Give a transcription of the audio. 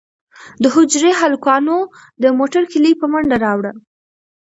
د حجرې هلکانو د موټر کیلي په منډه راوړه.